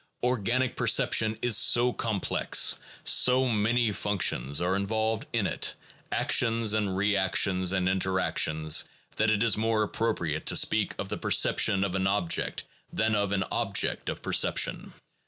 Organic perception is so complex, so many functions are involved in it: actions and re actions and interactions, that it is more appropriate to speak of the perception of an object than of an object of perception.